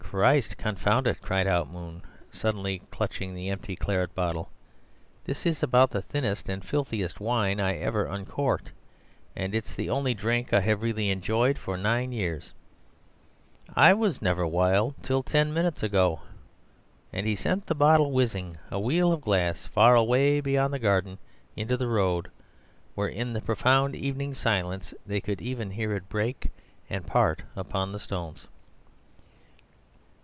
"Christ confound it!" cried out Moon, suddenly clutching the empty claret bottle, "this is about the thinnest and filthiest wine I ever uncorked, and it's the only drink I have really enjoyed for nine years. I was never wild until just ten minutes ago." And he sent the bottle whizzing, a wheel of glass, far away beyond the garden into the road, where, in the profound evening silence, they could even hear it break and part upon the stones.